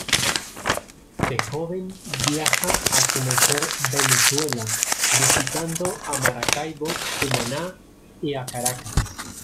De joven viaja a conocer Venezuela, visitando a Maracaibo, Cumaná y a Caracas.